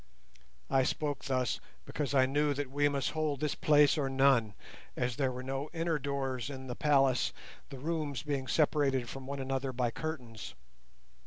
I spoke thus, because I knew that we must hold this place or none, as there were no inner doors in the palace, the rooms being separated one from another by curtains.